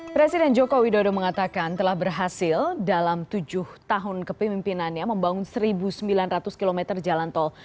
presiden joko widodo mengatakan telah berhasil dalam tujuh tahun kepemimpinannya membangun satu sembilan ratus km jalan tol